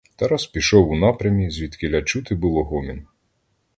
Тарас пішов у напрямі, звідкіля чути було гомін.